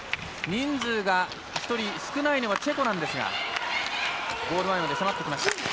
人数が１人少ないのはチェコですがゴール前まで迫ってきました。